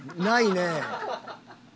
ないね。